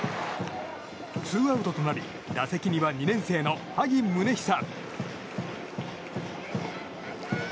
ツーアウトとなり打席には２年生の萩宗久。